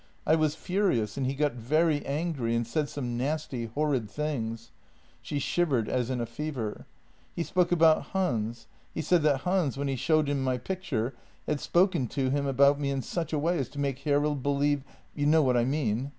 I was furious, and he got very angry and said some nasty, horrid things." She shivered as in a fever. " He spoke about Hans — he said that Hans, when he showed him my picture, had spoken to him about me in such a way as to make Hjerrild believe — you know what I mean